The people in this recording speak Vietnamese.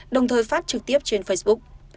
đồng thời phát trực tiếp trên facebook